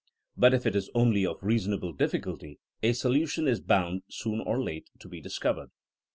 But if it is only of reasonable diflSculty a solution is bound, soon or late, to be discovered.